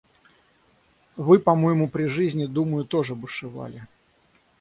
Вы по-моему при жизни – думаю — тоже бушевали.